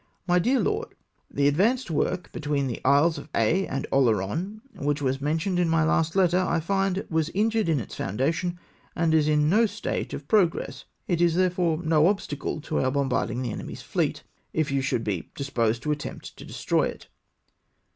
"My dear Lord, — The advanced work between the Isles of Aix and Oleron, which I mentioned in my last letter, I find was injured in its foundation, and is in no state of pro gress ; it is, therefore, no obstacle to our bombarding the enemy's fleet, if you should be disposed to attempt to destroy it.